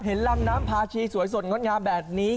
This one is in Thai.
ลำน้ำพาชีสวยสดงดงามแบบนี้